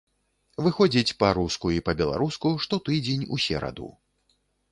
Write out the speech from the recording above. Выходзіць па-руску і па-беларуску штотыдзень у сераду.